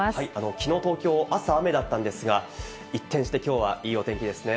昨日、東京、朝、雨だったんですが、一転して今日はいいお天気ですね。